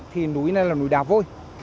thì núi này là núi đà vôi